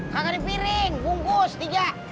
gak ada piring bungkus tiga